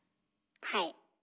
はい。